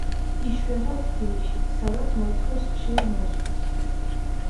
იშვიათად თბილისშიც, სადაც მოითხოვს ხშირ მორწყვას.